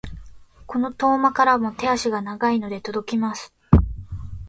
この遠間からも手足が長いので届きます。